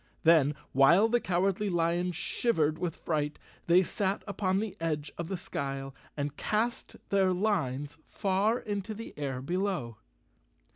Then, while the Cowardly Lion shivered with fright, they sat upon the edge of the skyle and cast their lines far into the air below.